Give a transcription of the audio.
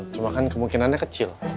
cuma kan kemungkinannya kecil